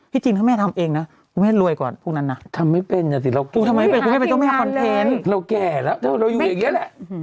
พี่จริงถ้าแม่ทำเองนะคุณแม่รวยกว่าพวกนั้นน่ะทำไม่เป็นนะสิคุณทำไม่เป็นคุณแม่เป็นต้นแม่คอนเทนต์เราแก่แล้วเราอยู่อย่างเงี้ยแหละ